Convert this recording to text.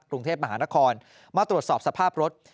กรุงเทพมหานครมาตรวจสอบสภาพรถ